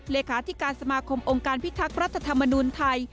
เลขาธิการสมาคมองค์การพิทักษ์รัฐธรรมนุนไทย